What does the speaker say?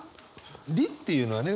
「理」っていうのはね